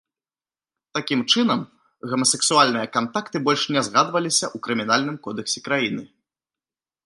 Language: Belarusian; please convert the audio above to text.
Такім чынам, гомасексуальныя кантакты больш не згадваліся ў крымінальным кодэксе краіны.